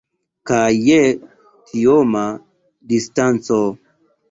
Kaj je tioma distanco!